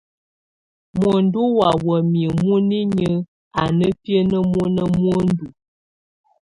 Muəndu wa wamia muninyə a na biəne mɔna muəndu.